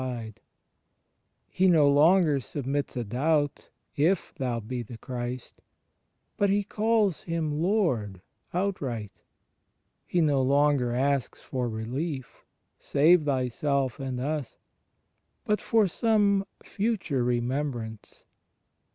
He 122 THE FRIENDSHIP OF CHRIST no longer submits a doubt —"// thou be the Christ" — but he calls Him "Lord" outright. He no longer asks for relief — "save Thyself and us"; but for some futiire remembrance.